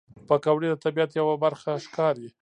پکورې د طبیعت یوه برخه ښکاري